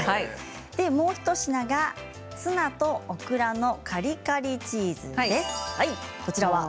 もう一品がツナとオクラのカリカリチーズです。